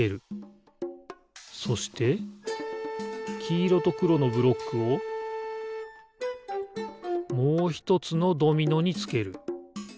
そしてきいろとくろのブロックをもうひとつのドミノにつける。